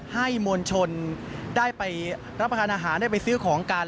มวลชนได้ไปรับประทานอาหารได้ไปซื้อของกัน